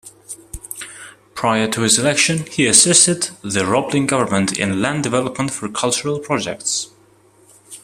Prior to his election, he assisted the Roblin government in land-development for cultural projects.